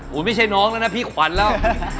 ไม่ใช่น้องแล้วนะพี่ขวัญแล้ว